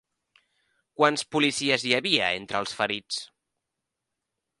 Quants policies hi havia entre els ferits?